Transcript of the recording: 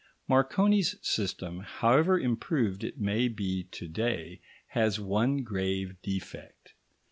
Marconi's system, however improved it may be to day, has one grave defect.